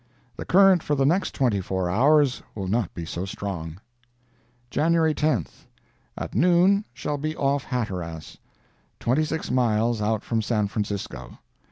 The current for the next 24 hours will not be so strong." "JANUARY 10th.—At noon shall be off Hatteras, 26 days out from San Francisco.